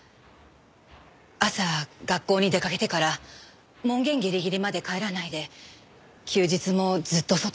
朝学校に出かけてから門限ギリギリまで帰らないで休日もずっと外で。